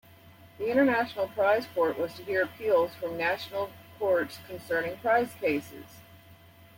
The International Prize Court was to hear appeals from national courts concerning prize cases.